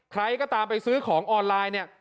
ใครก็ตามไปซื้อของออนไลน์เนี่ย